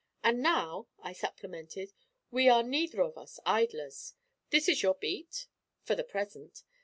'And now,' I supplemented, 'we are neither of us idlers. This is your beat?' 'For the present.'